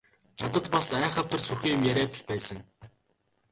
Надад бас айхавтар сүрхий юм яриад л байсан.